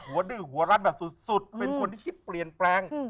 ดื้อหัวรัดแบบสุดเป็นคนที่คิดเปลี่ยนแปลง